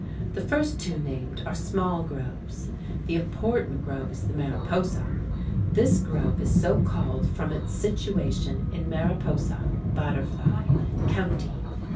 The first two named are small groves. The important grove is the Mariposa. This grove is so called from its situation in Mariposa (Butterfly) County.